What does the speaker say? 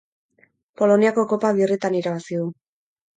Poloniako Kopa birritan irabazi du.